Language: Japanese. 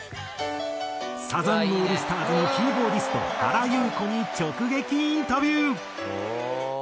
サザンオールスターズのキーボーディスト原由子に直撃インタビュー！